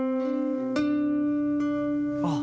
あっ。